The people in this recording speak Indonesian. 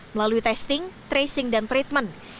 melalui testing tracing dan treatment